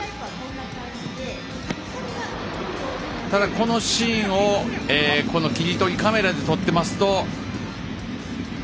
このシーンを切り取りカメラで撮っていますと。